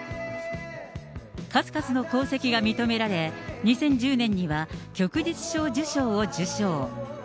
数々の功績が認められ、２０１０年には旭日小綬章を受章。